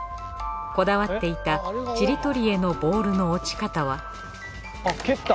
こだわっていたちりとりへのボールの落ち方は蹴った！